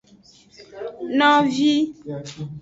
Novi.